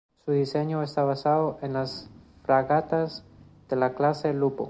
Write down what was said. Su diseño está basado en las fragatas de la Clase Lupo.